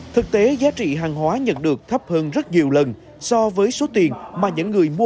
thực tế giá trị hàng hóa nhận được thấp hơn rất nhiều lần so với số tiền mà những người mua